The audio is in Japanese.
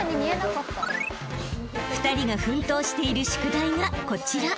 ［２人が奮闘している宿題がこちら］